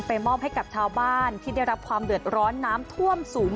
มอบให้กับชาวบ้านที่ได้รับความเดือดร้อนน้ำท่วมสูง